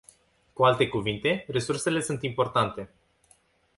Cu alte cuvinte, resursele sunt importante.